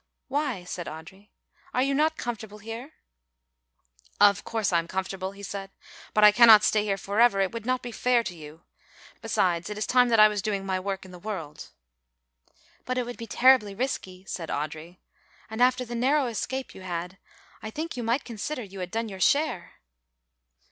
"Why," said Audry, "are you not comfortable here?" "Of course I am comfortable," he said, "but I cannot stay here forever, it would not be fair to you. Besides it is time that I was doing my work in the world." "But it would be terribly risky," said Audry, "and after the narrow escape you had, I think you might consider you had done your share."